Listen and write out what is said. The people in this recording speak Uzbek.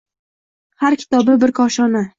Har kitobi – bir koshona